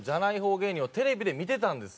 芸人をテレビで見てたんですよ。